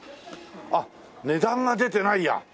あっ値段が出てないや。